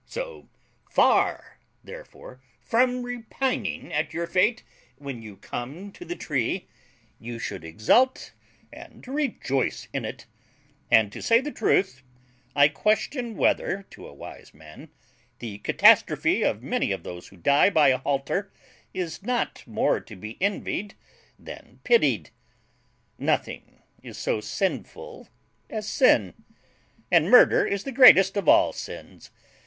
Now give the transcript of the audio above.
So far, therefore, from repining at your fate when you come to the tree, you should exult and rejoice in it; and, to say the truth, I question whether, to a wise man, the catastrophe of many of those who die by a halter is not more to be envied than pitied. Nothing is so sinful as sin, and murder is the greatest of all sins.